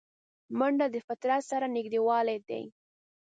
منډه د فطرت سره نږدېوالی دی